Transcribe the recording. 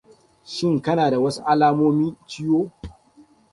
shin kana da wasu alamomi ciwo?